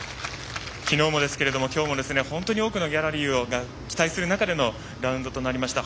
昨日もですけれども今日も多くのギャラリーが期待する中でのラウンドとなりました。